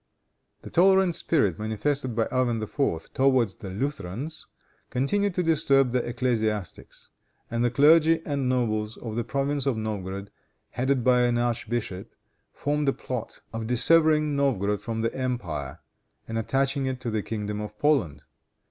The tolerant spirit manifested by Ivan IV. towards the Lutherans, continued to disturb the ecclesiastics; and the clergy and nobles of the province of Novgorod, headed by the archbishop, formed a plot of dissevering Novgorod from the empire, and attaching it to the kingdom of Poland.